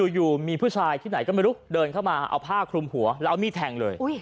อยู่มีผู้ชายที่ไหนก็ไม่รู้เดินเข้ามาเอาผ้าคลุมหัวแล้วเอามีดแทงเลย